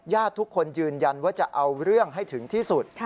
ทุกคนยืนยันว่าจะเอาเรื่องให้ถึงที่สุด